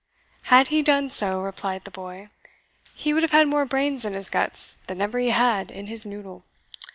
"Had he done so," replied the boy, "he would have had more brains in his guts than ever he had in his noddle.